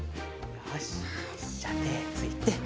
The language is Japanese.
よしじゃあてついて。